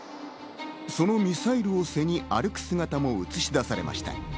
そのミサイルを背に歩く姿も映し出されました。